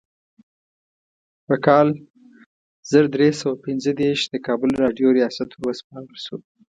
په کال زر درې سوه پنځه دیرش د کابل راډیو ریاست وروسپارل شو.